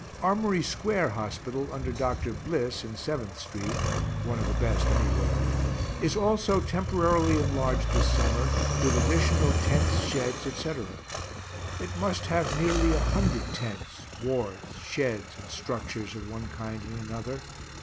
Armory square hospital, under Dr. Bliss, in Seventh street (one of the best anywhere), is also temporarily enlarged this summer, with additional tents, sheds, etc. It must have nearly a hundred tents, wards, sheds, and structures of one kind and another.